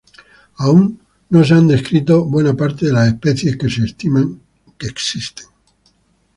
Aún no se han descrito buena parte de las especies que se estima existen.